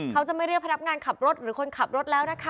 เขาจะไม่เรียกพนักงานขับรถหรือคนขับรถแล้วนะคะ